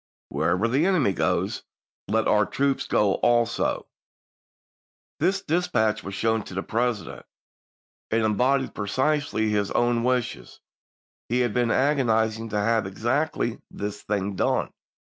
Where MemS." ever the enemy goes, let our troops go also." This p 317." 180 ABRAHAM LINCOLN chap vii. dispatch was shown to the President. It embodied precisely his own wishes ; he had been agonizing to have exactly this thing done.